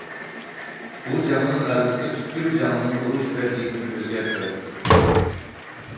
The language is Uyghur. بۇ جەڭنىڭ غەلىبىسى پۈتكۈل جەڭنىڭ ئۇرۇش ۋەزىيىتىنى ئۆزگەرتىۋەتتى.